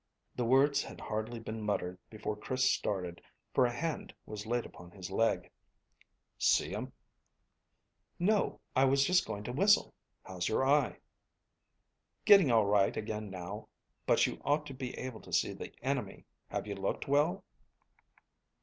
The words had hardly been muttered before Chris started, for a hand was laid upon his leg. "See 'em?" "No. I was just going to whistle. How's your eye?" "Getting all right again now. But you ought to be able to see the enemy. Have you looked well?"